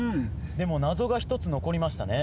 でも謎がひとつ残りましたね。